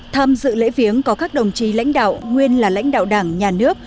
tham dự lễ viếng có các đồng chí lãnh đạo nguyên là lãnh đạo đảng nhà nước